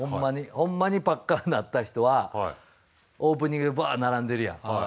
ほんまにパッカーンなった人はオープニングでバー並んでるやん。